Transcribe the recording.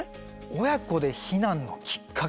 親子で避難のきっかけ？